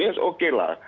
ini oke lah